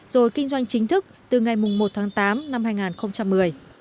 rồi kinh doanh chính thức từ ngày một tháng tám năm hai nghìn một mươi